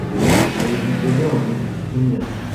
Elle est diplômée en justice criminelle.